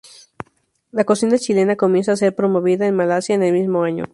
La Cocina chilena comienza a ser promovida en Malasia en el mismo año.